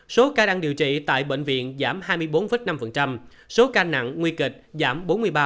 số ca đang điều trị tại bệnh viện giảm hai mươi bốn năm số ca nặng nguy kịch giảm bốn mươi ba